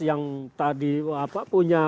yang tadi punya